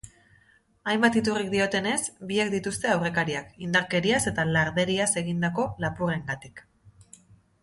Hainbat iturrik diotenez, biek dituzte aurrekariak, indarkeriaz eta larderiaz egindako lapurrengatik.